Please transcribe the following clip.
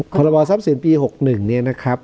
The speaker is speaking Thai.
ของระบอบทรัพย์ศีลปี๖๑เนี่ยนะครับ